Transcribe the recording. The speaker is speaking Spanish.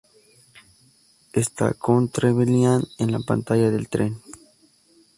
Está con Trevelyan en la pantalla del tren.